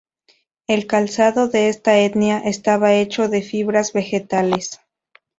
El calzado de esta etnia, estaba hecho de fibras vegetales.